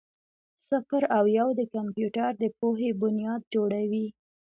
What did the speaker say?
صفر او یو د کمپیوټر د پوهې بنیاد جوړوي.